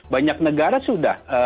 banyak negara sudah